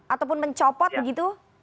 ataupun mencopot begitu